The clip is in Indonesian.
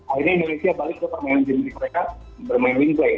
akhirnya indonesia balik ke permainan genetik mereka bermain wing play